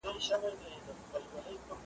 د سلماني ریشتیا `